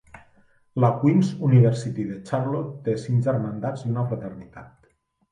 La Queens University de Charlotte té cinc germandats i una fraternitat.